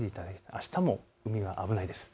あしたも海は危ないです。